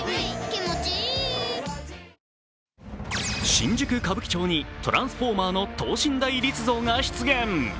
新宿歌舞伎町に「トランスフォーマー」の等身大立像が出現。